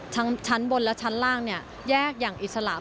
ทั้งชั้นบนและชั้นล่างแยกอย่างอิสระ